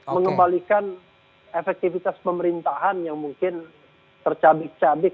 mengembalikan efektivitas pemerintahan yang mungkin tercabik cabik